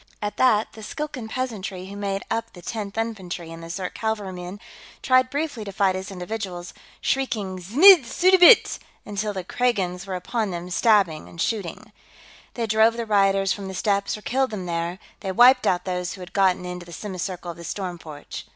At that, the Skilkan peasantry who made up the Tenth Infantry and the Zirk cavalrymen tried briefly to fight as individuals, shrieking "Znidd suddabit!" until the Kragans were upon them, stabbing and shooting. They drove the rioters from the steps or killed them there, they wiped out those who had gotten into the semicircle of the storm porch.